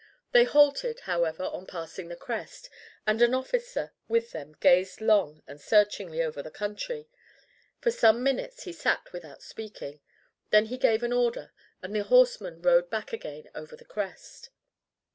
They halted, however, on passing the crest, and an officer with them gazed long and searchingly over the country. For some minutes he sat without speaking, then he gave an order and the horsemen rode back again over the crest.